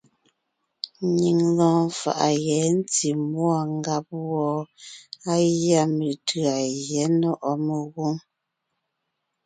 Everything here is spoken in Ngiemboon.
Nyìŋ lɔɔn faʼa yɛ̌ ntí múɔ ngáb wɔ́ɔ, á gʉa metʉ̌a Gyɛ̌ Nɔ̀ʼɔ Megwǒŋ.